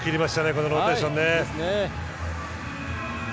このローテーション。